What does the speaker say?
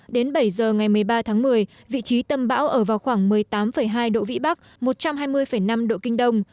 đến bảy giờ ngày một mươi ba tháng một mươi vị trí tâm bão ở vào khoảng một mươi tám hai độ vĩ bắc một trăm hai mươi năm độ kinh đông